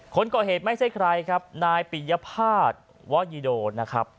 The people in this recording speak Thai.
คนก่อเหตุไม่ใช่ใครครับนายปิยภาษณ์วยีโดนะครับ